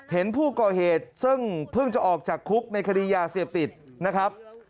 เห็นผู้ก่อเหตุซึ่งเพิ่งจะออกจากคุกในคดียาเสพติดนะครับ